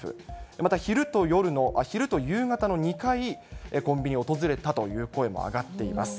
また昼と夕方の２回、コンビニを訪れたという声も上がっています。